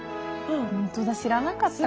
本当だ知らなかった。